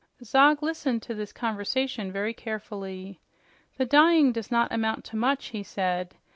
Zog listened to this conversation very carefully. "The dying does not amount to much," he said.